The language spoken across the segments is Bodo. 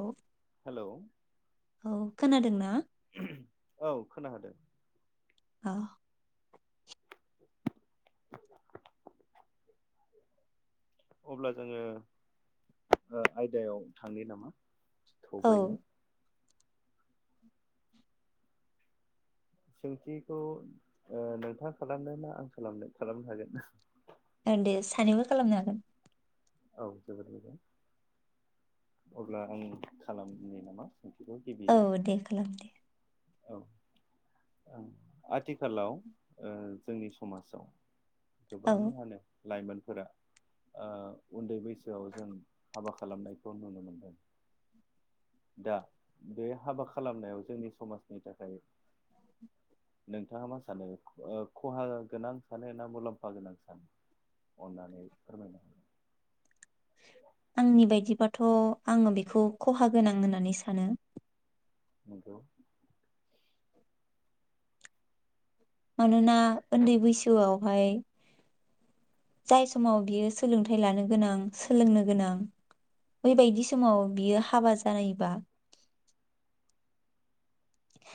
औ हेलौ औ खोनादोंना? खोना खादों। औ। अब्ला जोङो ओ आयदायाव थांनो नामा? औ थ'बैनो सोंथिखौ ओ नोंथाङा खालामनो ना आं खालामनो खालामनो हागोना? औ दे सानैबो खालामनो हागोन। औ जोबोद मोजां अब्ला आं खालामनि नामा? सोंथिखौ औ गिबियो दे खालाम दे। औ ओं आथिखालाव ओ जोंनि समाजाव, औ गोबाङानो लाइमोनफोरा ओ उन्दै बैसोआव जों हाबा खालामनायखौ नुनो मोनदों दा बे हाबा खालामनायाव जोंनि समाजनि थाखाय नोंथाङा मा सानो खहा गोनां सानो ना मुलाम्फा गोनां सानो अन्नानै फोरमायनो होदो। आंनि बायदिबाथ' आङो बेखौ खहा गोनां होननानै सानो, नंगौ। मानोना उन्दै बैसोआवहाय। जाय समाव बियो सोलोंथाइ लानो गोनां सोलोंनो गोनां बैबायदि समाव बियो हाबा जानायबा।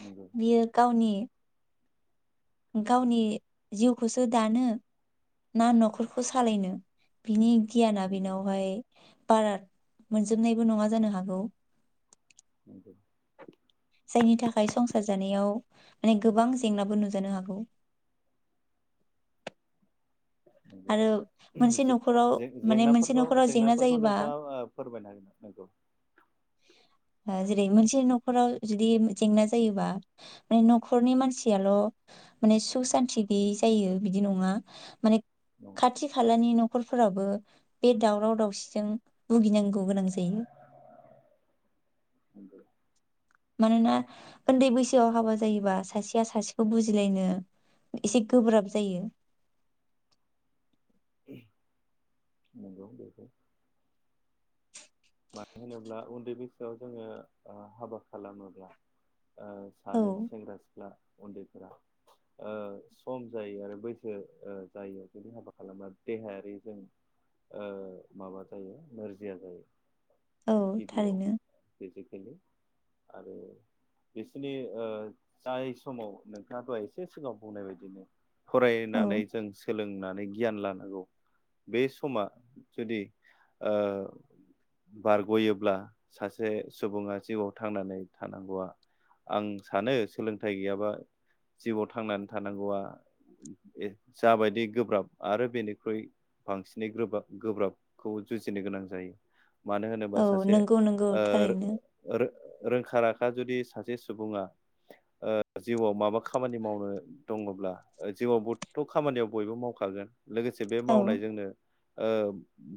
नंगौ बियो गावनि। गावनि जिउखौसो दानो ना न'खरखौ सालायनो बिनि गियाना नंगौ बेनावहाय बारा मोनजोबनायबो नङा जानो हागौ। ् [inaudible] जायनि थाखाय संसार जानायाव माने गोबां जेंनाबो नुजानो हागौ। नंगौ आरो मोनसे न'खराव माने मोनसे जे-जे-जेंनाफोरखौ न'खराव जेंना जेंनाफोरखौ जायोबा नोंथाङा ओ फोरमायनो हागोन ना नंगौ ओ जेरै मोनसे न'खराव जुदि जेंना जायोबा माने न'खरनि मानसियाल' माने सुख सान्थि गैयि जायो बिदि नङा माने नंगौ खाथि खालानि न' खरफोराबो बे दावराव दावसिजों भुगिनांगौ गोनां जायो। नंगौ मानोना उन्दै बैसोआव हाबा जायोबा सासेया सासेखौ बुजिलायनो एसे गोब्राब जायो। नंगौ बेखौ मानो होनोब्ला उन्दै बैसोआव जोङो हाबा खालामोब्ला ओ औ सानै सेंग्रा सिख्ला उन्दैफोरा ओ सम जायि आरो बैसो ओ जायियाव जुदि हाबा खालाबा देहायारि जों ओ माबा जायो नोरजिया जायो। औ गिबियाव थारैनो बे खायनो आरो बिसिरनि जाय समाव नोंथाङा दहाय एसे सिगाङाव बुंनाय बायदिनो औ फरायनानै जों सोलोंनानै गियान लान हागौ बे समा जुदि ओ बारग'योब्ला सासे सुबुङा जिउआव थांनानै थानांगौआ आं सानो सोलोंथाइ गैयाबा जिउआव थांनानै थानांगौआ जाबायदि गोब्राब आरो बेनिख्रुइ बांसिनै गोब्राब गोब्राबखौ जुजिनो गोनां जायो। मानो होनोबा औ सासे नंगौ नंगौ ओ थारैनो रो-रो रोंखा राखा जुदि सासे सुबुङा ओ जिउआव माबा खामानि मावनो दङब्ला जिउआव बथ' खामानियाव बयबो मावखागोन। लोगोसे बे औ मावनायजोंनो ओ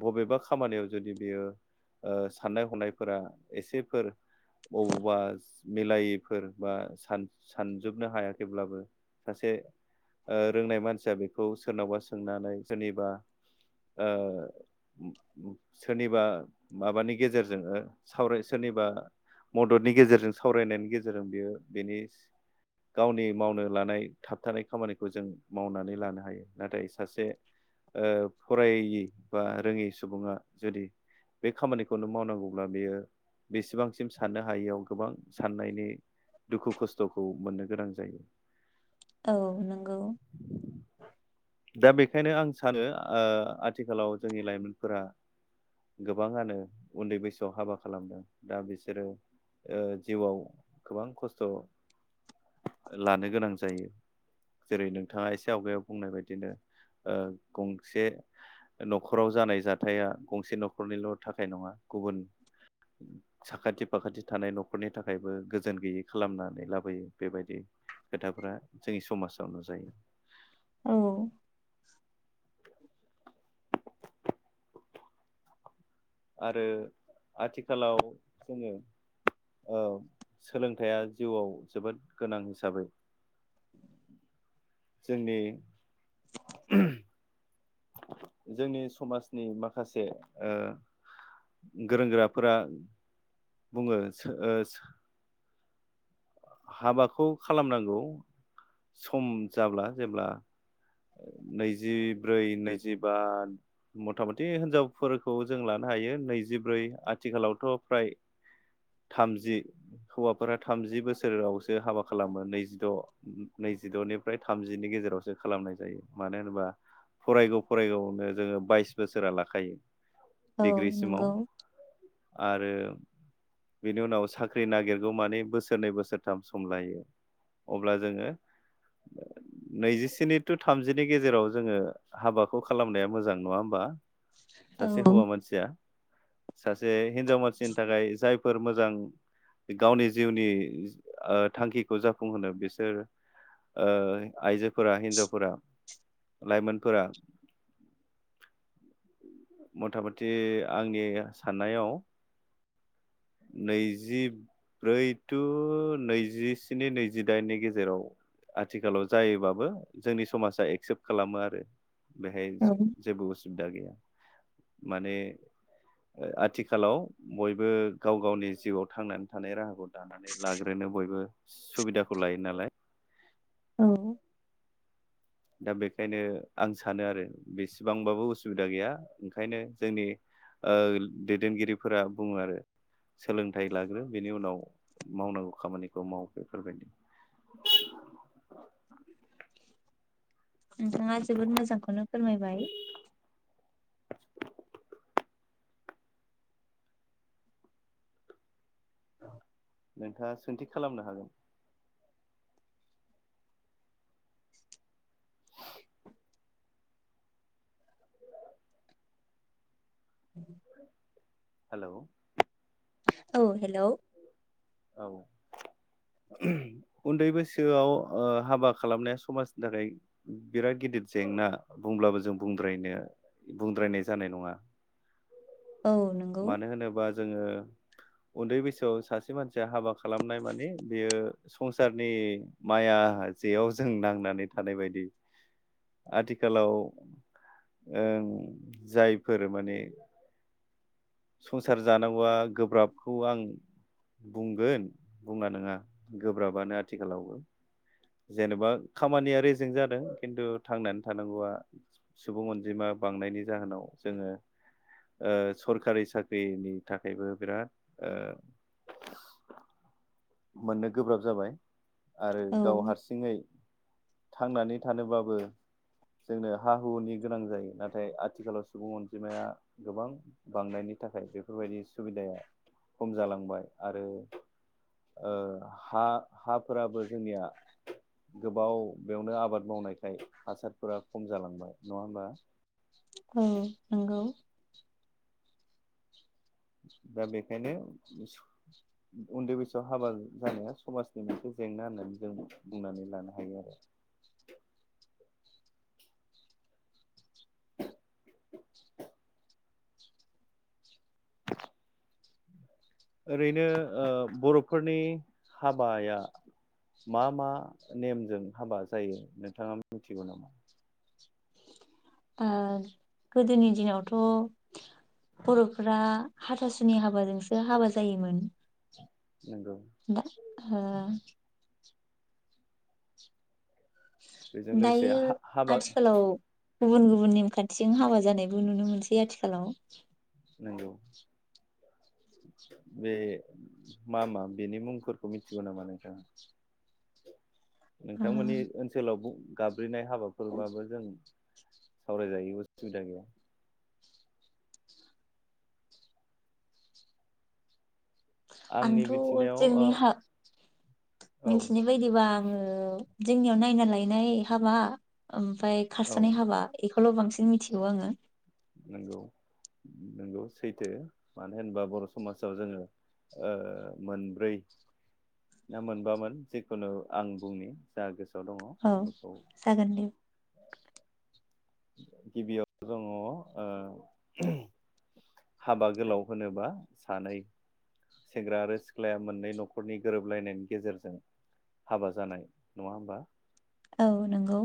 बबेबा खामानियाव जुदि बेयो ओ साननाय हनाय फोरा एसेफोर बबावबा मिलायैफोर बा सान सानजोबनो हायाखैब्लाबो सासे ओ रोंनाय मानसिया बेखौ सोरनावबा सोंनानै सोरनिबा ओ सोरनिबा। माबानि गेजेरजों सावराय सोरनिबा मददनि गेजेरजों सावरायनायनि गेजेरजों बियो बेनि गावनि मावनो लानाय थाबथानाय खामानिखौ जों मावनानै लानो हायो नाथाय सासे ओ फरायि बा रोङि सुबुङा जुदि बे खामानिखौनो मावनांगौब्ला बेयो बेसेबांसिम साननो हायियाव गोबां साननायनि दुखु खस्थ'खौ मोननो गोनां जायो। औ नंगौ। दा बेखायनो आं सानो ओ आथिखालाव जोंनि लाइमोनफोरा गोबाङानो उन्दै बैसोआव हाबा खालामदों दा बिसोरो ओ जिउआव गोबां खस्थ' लानो गोनां जायो जेरै नोंथाङा एसे आवगायाव बुंनाय बायदि। दिनो ओ गंसे न'खराव जानाय जाथाया गंसे न'खरनिल थाखाय नङा गुबुन साखाथि फाखाथि थानाय न'खरनि थाखायबो गोजोन गैयै खालामनानै लाबोयो बेबायदि खोथाफ्रा जोंनि समाजावनो जायो। औ। आरो आथिखालाव जोङो ओ सोलोंथाइया जिउआव जोबोद गोनां हिसाबै जोंनि जोंनि समाजनि माखासे ओ गोरों गोराफोरा बुङो हाबाखौ खालामनांगौ सम जाब्ला जेब्ला नैजिब्रै नैजिबा मथा मथि हिनजावफोरखौ जों लानो हायो नैजिब्रै आथिखालावथ' फ्राय थामजि हौवाफोरा थामजि बोस सोरावसो हाबा खालामो नैजिद' नैजिद'निफ्राय थामजिनि गेजेरावसो खालामनाय जायो मानो होनोबा फरायगौ फरायगौआवनो जोङो बाइस बोसोरा लाखायो। औ डिग्रिसिमाव नोंगौ आरो बिनि उनाव साख्रि नागिरगौ मानि बोसोरनै बोसोर सोरथाम सम लायो अब्ला जोङो नैजिस्नि टु थामजिनि गेजेराव जोङो हाबाखौ खालामनाया मोजां नङा होमबा। औ सासे हौवा मानसिया सासे हिनजाव मानसिनि थाखाय जाय फोर मोजां गावनि जिउनि ओ थांखिखौ जाफुंहोनो बिसोर ओ आइजोफोरा हिन्जावफोरा लाइमोनफोरा मथा मथि आंनि साननायाव नैजिब्रै तु नैजिस्नि नैजिदाइननि गेजेराव आथिखालाव जायोबाबो जोंनि समाजा एक्सेप्ट खालामो आरो। बेहाय औ जे-जेबो उसुबिदा गैया। माने ओ आथिखालाव बयबो गाव गावनि जिउआव थांनानै थानाय राहाखौ दानानै लाग्रो ओरैनो बयबो सुबिदाखौ लायो नालाय औ दा बेखायनो आं सानो आरो बेसेबांबाबो उसुबिदा गैया ओंखायनो जोंनि ओ दैदेनगिरिफोरा बुङो आरो सोलोंथाइ लाग्रो बेनि उनाव मावनांगौ खामानिखौ माव बेफोरबायदि। नोंथांङा जोबोद मोजांखौनो फोरमायबाय। नोंथांङा सोंथि खालामनो हागोन। हेलौ औ हेलौ औ उन्दै बैसोआव ओ हाबा खालामनाया समाजनि थाखाय बिराद गिदिर जेंना बुंब्लाबो जों बुंद्रायनो बुंद्रायनाय जानाय नङा। औ नोंगौ। जोंङो उन्दै बैसोआव सासे मानसिया हाबा खालामनाय माने बेयो संसारनि माया जेयाव जों नांनानै थानाय बायदि आथिखालाव ओ जायफोर माने संसार जानांगौआ गोब्राबखौ आं बुंगोन बुंआ नङा गोब्राबानो आथिखालावबो। जेनेबा खामानिया रेजें जादों खिन्थु थांनानै थानांगौआ सुबुं अनजिमा बांनायनि जाहोनाव जोंङो ओ सरखारि साख्रिनि थाखायबो बिराद ओ मोननो गोब्राब जाबाय। आरो औ गाव हारसिङै थांनानै थानोबाबो जोंनो हा हुनि गोनां जायो नाथाय आथिखालाव सुबुं अनजिमाया गोबां बांनायनि थाखाय बेफोरबायदि सुबिदाया खम जालांबाय आरो ओ हा हाफोराबो जोंनिया गोबाव बेयावनो आबाद मावनायखाय हासारफोरा खम जालांबाय नङा होमबा? औ नंगौ। दा बेखायनो सु उन्दै बैसोआव हाबा जानाया समाजनि मोनसे जेंना होननानै जों बुंनानै लानो हायो आरो। ओरैनो ओ बर' फोरनि हाबाया मा मा नेमजों हाबा जायो नोंथांङा मिथिगौ नामा? ओ गोदोनि दिनावथ बर' फोरा हाथासुनि हाबाजोंसो हाबा जायोमोन। नोंगौ हो बेजों लोगोसे दायो हाबा आथिखालाव गुबुन गुबुन नेमखान्थिजों हाबा जानायबो नुनो मोनसै आथिखालाव। नंगौ बे मा मा बेनि मुंफोरखौ मिथिगौ नामा नोंथांङा? ओ नोंथांमोननि ओनसोलाव गाब्रिनाय हाबाफोरबाबो जों सावराय जायो उसुबिदा गैया। आंनि आंथ' मिथिनायाव जोंनि ओ हा औ मिथिनाय बायदिबा आङो जोंनियाव नायना लायनाय हाबा ओमफ्राय औ खारस'नाय हाबा खौल' बांसिन मिथिगौ आङो नोंगौ नोंगौ सैथो मानो होनोबा बर' समाजाव जोङो मोनब्रै ना मोनबामोन जिखुनु आं बुंनि जा गोसो औ जागोन दे गिबियाव दङ ओ औ हाबा गोलाव होनोबा सानै सेंग्रा आरो सिख्लाया मोननै न'खरनि गोरोबलायनायनि गेजेरजों हाबा जानाय नङा होमबा औ नंगौ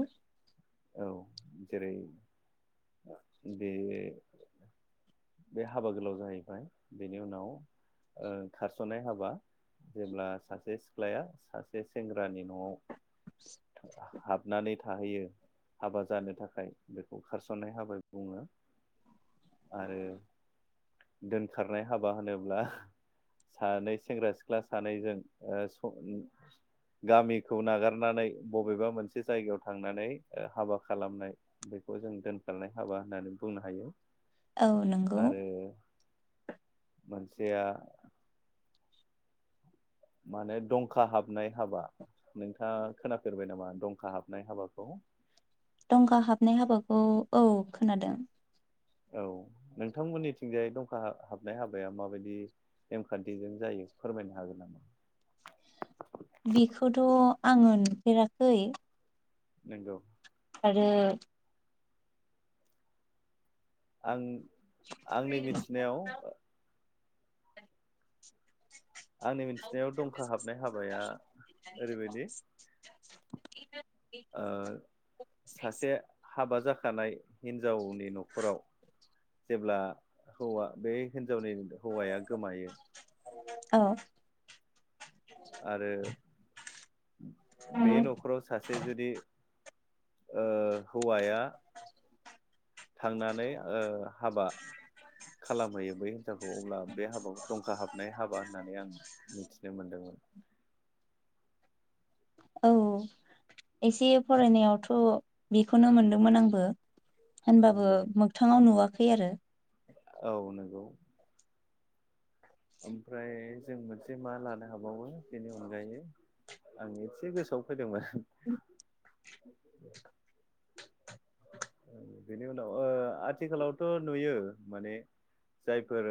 औ जेरै बे बे हाबा गोलाव जाहैबाय बेनि उनाव ओ खारस'नाय हाबा जेब्ला सासे सिख्लाया सासे सेंग्रानि न'आव [inaudible] हाबनानै थाहैयो हाबा जानो थाखाय बेखौ खारसननाय हाबा बुङो आरो दोनखारनाय हाबा होनोब्ला सानै सेंग्रा सिख्ला सानैजों ओ गामिखौ नागारनानै बबेबा मोनसे जायगायाव थांनानै हाबा खालामनाय बेखौ जों दोनखारनाय हाबा होननानै बुंनो हायो औ नंगौ आरो मोनसे बेया माने दंखा हाबनाय हाबा नोंथाङा खोनाफेरबाय नामा दंखा हाबनाय हाबाखौ दंखा हाबनाय हाबाखौ औ खोनादों औ नोंथांमोननिथिंजाय दंखा हाबनाय हाबाया माबायदि नेमखान्थिजों जायो फोरमायनो हागोन नामा? बेखौथ' आङो नुफेराखै नोंगौ आरो आं आंनि मिथिनायाव आंनि मिथिनायाव दंखा हाबनाय हाबाया ओरैबायदि ओ सासे हाबा जाखा खानाय हिनजावनि न'खराव जेब्ला हौवा बे हिनजावनि हौवाया गोमायो औ आरो बे न'खराव सासे जुदि ओ हौवाया थांनानै ओ हाबा खालामहैयो बै हिनजावखौ अब्ला बे हाबाखौ दंखा हाबनाय हाबा होननानै आं मिथिनो मोनदोंमोन औ एसे फरायनायावथ' बेखौनो मोनदोंमोन आंबो होनबाबो नंगौ मोगथाङाव नुवा खै आरो औ नंगौ ओमफ्राय जों मोनसे मा लानो हाबावो बेनि अनगायै आं एसे गोसोआव फैदोंमोन बेनि उनाव ओ आथिखालावथ नुयो माने जायफोर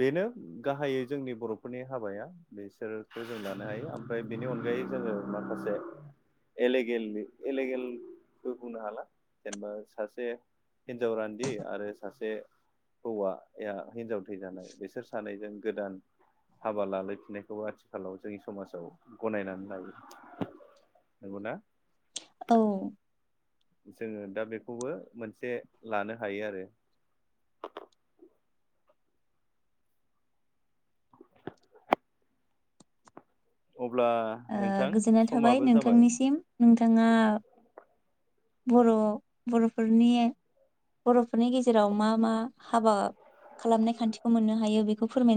बेनो गाहायै जोंनि बर फोरनि हाबाया बिसोरखौ जों लानो हायो ओमफ्राय बेनि अनगायै जोङो माखासे एलेगेल एलेगेलबो बुंनो हाला जेनेबा सासे हिनजाव रान्दि आरो सासे हौवाया हिनजाव थै जानाय बेसोर सानैजों गोदान हाबा लालायफिननायखौबो आथिखालाव जोंनि समाजाव गनायनानै लायो नंगौना औ जोङो दा बेखौबो मोनसे लानो हायो आरो अब्ला ओ नोंथां गोजोननाय थाबाय समाबो जाबाय नोंथांनिसिम नोंथाङा बर बरफोरनि बर फोरनि गेजेराव मा मा हाबा खालामनाय खान्थिखौ मोननो हायो बेखौ फोरमाय